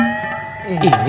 inin terlibat bisnis narkoba